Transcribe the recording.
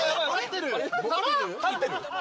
立ってる！